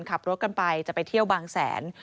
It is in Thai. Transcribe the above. ขับรถกันไปจะไปเที่ยวบางแสน